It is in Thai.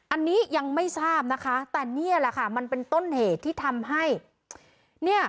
อันนี้ยังไม่ทราบนะคะแต่นี่แหละค่ะมันเป็นต้นเหตุที่ทำให้เนี่ย